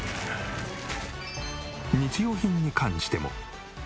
日用品に関しても。